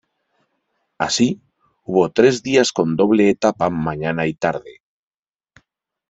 Así, hubo tres días con doble etapa mañana y tarde.